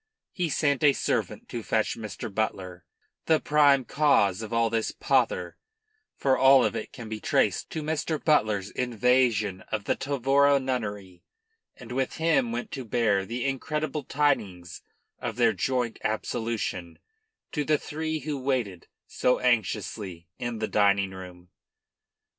He sent a servant to fetch Mr. Butler, the prime cause of all this pother for all of it can be traced to Mr. Butler's invasion of the Tavora nunnery and with him went to bear the incredible tidings of their joint absolution to the three who waited so anxiously in the dining room.